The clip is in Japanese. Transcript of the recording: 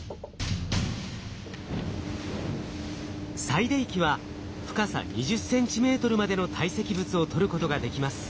採泥器は深さ２０ｃｍまでの堆積物を採ることができます。